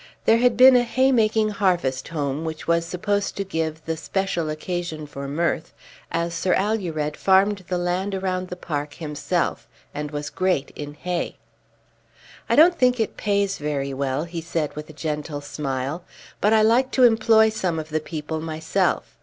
There had been a hay making harvest home which was supposed to give the special occasion for mirth, as Sir Alured farmed the land around the park himself, and was great in hay. "I don't think it pays very well," he said with a gentle smile, "but I like to employ some of the people myself.